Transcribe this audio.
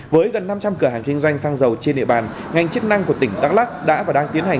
với gần năm trăm linh cửa hàng kinh doanh xăng dầu trên địa bàn ngành chức năng của tỉnh đắk lắc đã và đang tiến hành